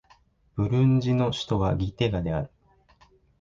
ブルンジの首都はギテガである